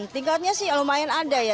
tingkatnya sih lumayan ada ya